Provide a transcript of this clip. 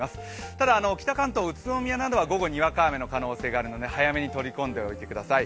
ただ、北関東、宇都宮などは午後にわか雨の可能性があるので３早めに取り込んでおいてください。